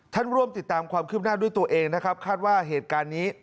ร่วมติดตามความคืบหน้าด้วยตัวเองนะครับคาดว่าเหตุการณ์นี้